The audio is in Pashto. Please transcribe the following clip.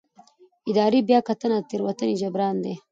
اداري بیاکتنه د تېروتنې جبران دی.